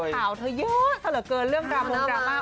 ข่าวเธอเยอะสละเกินเรื่องกลางโครงกรามา